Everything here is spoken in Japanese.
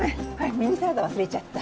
ミニサラダ忘れちゃった。